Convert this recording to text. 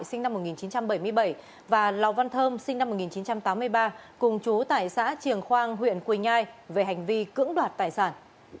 sinh năm một nghìn chín trăm bảy mươi bảy và lò văn thơm sinh năm một nghìn chín trăm tám mươi ba cùng chú tại xã triềng khoang huyện quỳnh nhai về hành vi cưỡng đoạt tài sản